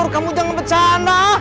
kamu jangan bercanda